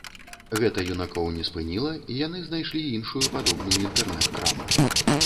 Гэта юнакоў не спыніла, і яны знайшлі іншую падобную інтэрнэт-краму.